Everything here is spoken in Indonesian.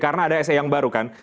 karena ada se yang baru kan